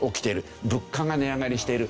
物価が値上がりしている。